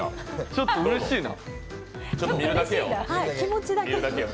ちょっとうれしいな。